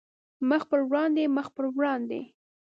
مخ په وړاندې، مخ په وړاندې